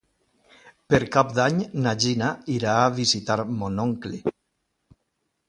Per Cap d'Any na Gina irà a visitar mon oncle.